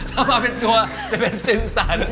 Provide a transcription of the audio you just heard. ถ้ามาเป็นตัวจะเป็นซิมสัน